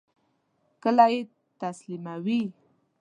کله یی تسلیموئ؟